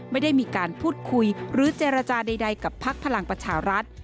ไม่ได้มีการพูดคุยหรือเจรจาใดกับพักพลังประชารัฐ